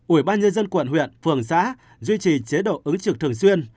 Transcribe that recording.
ủy ban nhân dân quận huyện phường xã duy trì chế độ ứng trực thường xuyên